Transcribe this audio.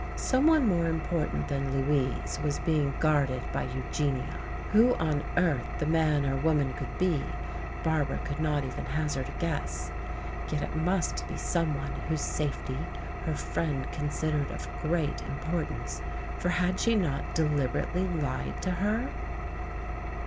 Some one more important than "Louise" was being guarded by Eugenia. Who on earth the man or woman could be, Barbara could not even hazard a guess. Yet it must be some one whose safety her friend considered of great importance, for had she not deliberately lied to her?